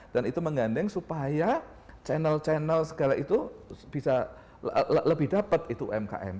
dan itu mengandeng supaya channel channel segala itu bisa lebih dapat itu umkm